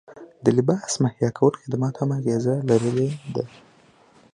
د لباس مهیا کولو خدماتو هم اغیزه لرلې ده